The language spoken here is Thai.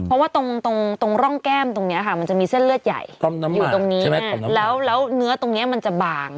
เพราะว่าตรงร่องแก้มตรงนี้ค่ะมันจะมีเส้นเลือดใหญ่อยู่ตรงนี้แล้วเนื้อตรงนี้มันจะบาง